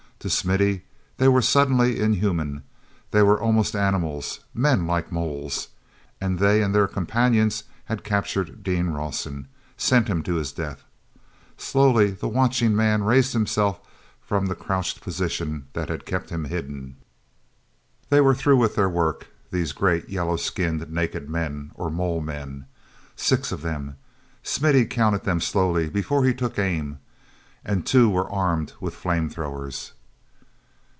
To Smithy they were suddenly inhuman—they were almost animals; men like moles. And they and their companions had captured Dean Rawson—sent him to his death. Slowly the watching man raised himself from the crouched position that had kept him hidden. They were through with their work, these great yellow skinned naked men—or mole men. Six of them—Smithy counted them slowly before he took aim—and two were armed with flame throwers.